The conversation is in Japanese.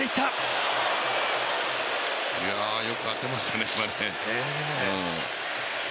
よく当てましたね、今。